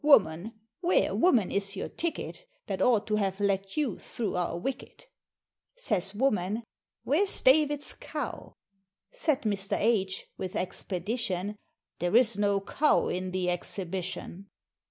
Woman where, woman, is your ticket, That ought to have let you through our wicket?" Says woman, "Where is David's Cow?" Said Mr. H with expedition, "There's no Cow in the Exhibition."